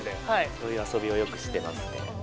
そういう遊びをよくしてますね。